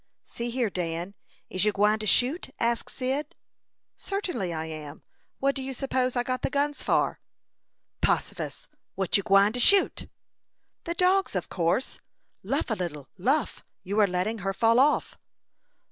"See here, Dan. Is you gwine to shoot?" asked Cyd. "Certainly I am. What do you suppose I got the guns for?" "Possifus! What you gwine to shoot?" "The dogs, of course. Luff a little luff! You are letting her fall off."